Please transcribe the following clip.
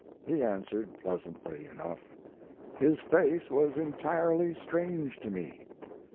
He answered pleasantly enough. His face was entirely strange to me.